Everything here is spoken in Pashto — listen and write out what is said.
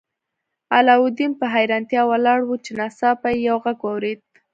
علاوالدین په حیرانتیا ولاړ و چې ناڅاپه یې یو غږ واورید.